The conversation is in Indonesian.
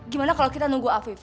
gimana kalau kita nunggu afif